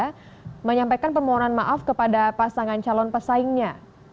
mereka menyampaikan permohonan maaf kepada pasangan calon pesaingnya